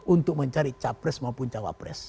untuk mencari capres maupun cawapres